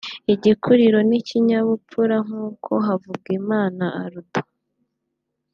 igikuriro n’ikinyabupfura nk’uko Havugimana Aldo